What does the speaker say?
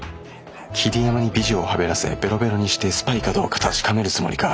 桐山に美女をはべらせベロベロにしてスパイかどうか確かめるつもりか。